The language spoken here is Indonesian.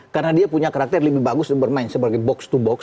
karena dia punya karakter lebih bagus dan bermain sebagai box to box